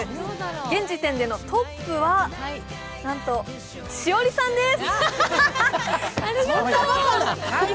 現時点でのトップは、なんと栞里さんです！